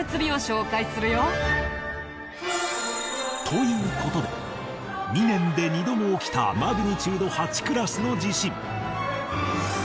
という事で２年で２度も起きたマグニチュード８クラスの地震